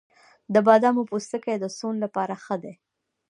د بادامو پوستکی د سون لپاره ښه دی؟